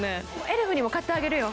エルフにも買ってあげるよ。